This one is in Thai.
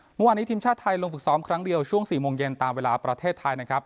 เมื่อวานนี้ทีมชาติไทยลงฝึกซ้อมครั้งเดียวช่วง๔โมงเย็นตามเวลาประเทศไทยนะครับ